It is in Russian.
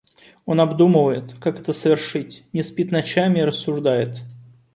Он обдумывает, как это совершить, не спит ночами и рассуждает.